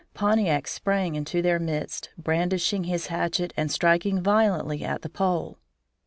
Pontiac sprang into their midst, brandishing his hatchet and striking violently at the pole.